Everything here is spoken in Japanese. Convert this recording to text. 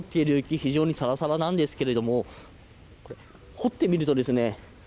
非常にさらさらなんですけれど掘ってみるとですね